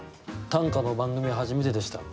短歌の番組は初めてでした。